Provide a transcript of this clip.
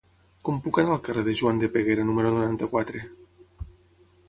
Com puc anar al carrer de Joan de Peguera número noranta-quatre?